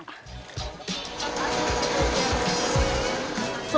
selain diberi pakan daun nangka segar